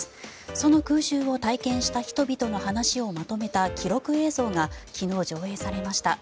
その空襲を体験した人々の話をまとめた記録映像が昨日、上映されました。